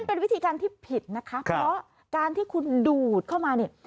เป็นวิธีการที่ผิดนะคะเพราะการที่คุณดูดเข้ามาเนี่ย